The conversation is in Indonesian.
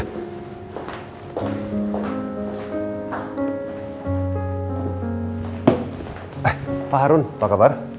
pak harun apa kabar